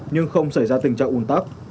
nhưng không xảy ra tình trạng un tắc